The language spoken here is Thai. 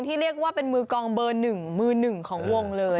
เรียกว่าเป็นมือกองเบอร์๑มือหนึ่งของวงเลย